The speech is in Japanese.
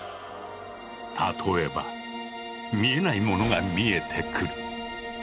例えば見えないものが見えてくる。